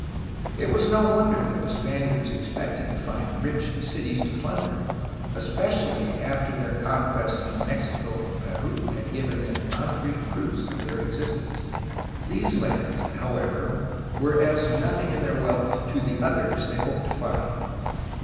It was no wonder that the Spaniards expected to find rich cities to plunder, especially after their conquests in Mexico and Peru had given them concrete proofs of their existence. These lands, however, were as nothing in their wealth to the others they hoped to find.